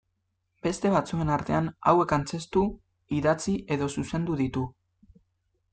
Beste batzuen artean hauek antzeztu, idatzi edo zuzendu ditu.